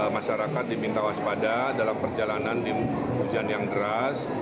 masyarakat diminta waspada dalam perjalanan hujan yang deras